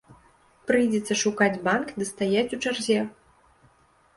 Прыйдзецца шукаць банк ды стаяць у чарзе.